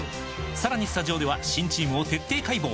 さらにスタジオでは新チームを徹底解剖！